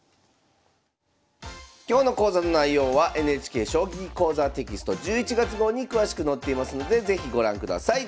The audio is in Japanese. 今日の講座の内容はＮＨＫ「将棋講座」テキスト１１月号に詳しく載っていますので是非ご覧ください。